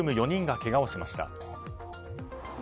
４人がけがをしました。